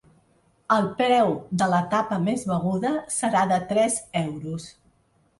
El preu de la tapa més beguda serà de tres euros.